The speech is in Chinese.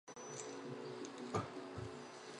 茶卡高原鳅为鳅科高原鳅属的鱼类。